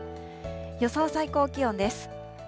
予想最高気温です。